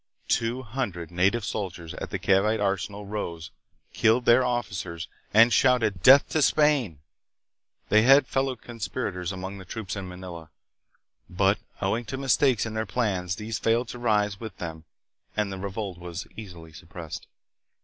Two hundred native soldiers at the Cavite arsenal rose, killed their officers, and shouted " Death to Spain!" They had fellow conspirators among the troops in Manila, but owing to mistakes in their plans these failed to rise with them and the revolt was easily suppressed.